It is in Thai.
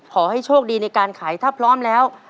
ขอให้โชคดีในการขายถ้าพร้อมแล้ว